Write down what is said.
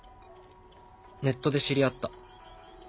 ネットで知り合った。